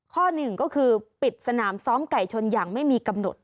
ข้อหนึ่งก็คือปิดสนามซ้อมไก่ชนอย่างไม่มีกำหนด